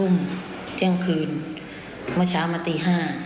เมื่อเช้ามาตี๕